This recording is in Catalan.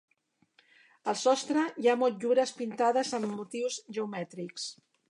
Al sostre hi ha motllures pintades amb motius geomètrics.